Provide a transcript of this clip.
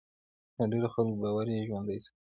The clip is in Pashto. د ډېرو خلکو باور یې ژوندی ساتي.